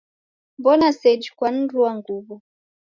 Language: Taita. W'ona seji kwanirua nguw'o